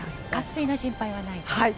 渇水の心配はないんですね。